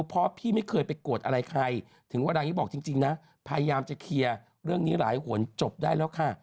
พี่ช่างหาบ้านพี่ช่างน่าจริงไหม